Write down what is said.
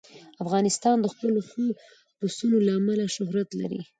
افغانستان د خپلو ښو پسونو له امله شهرت لري.